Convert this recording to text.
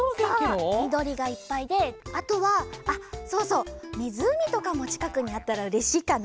そうみどりがいっぱいであとはあっそうそうみずうみとかもちかくにあったらうれしいかな。